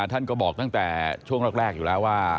ท่านก็บอกตั้งแต่ช่วงแรกอยู่แล้วว่า